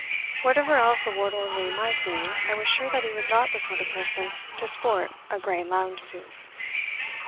Whatever else a ward orderly might be, I was sure that he was not the sort of person to sport a grey lounge suit.